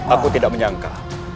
aku tidak menyangka